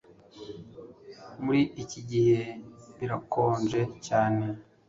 Muri iki gihe birakonje cyane